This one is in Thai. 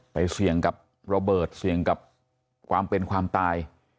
เสี่ยงกับระเบิดเสี่ยงกับความเป็นความตาย